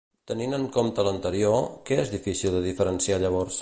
Tenint en compte l'anterior, què és difícil de diferenciar llavors?